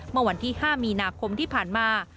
เมื่อวันที่๕มีนาคมที่ผ่านมา